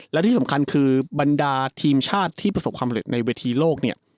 และที่สำคัญคือบรรดาทีมชาติที่ประสบความเร็จในเวทีโลกเนี่ย